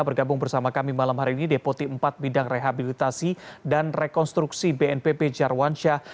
bergabung bersama kami malam hari ini depot empat bidang rehabilitasi dan rekonstruksi bnpp jarwansyah